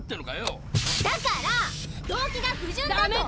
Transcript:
だから動機が不純だと。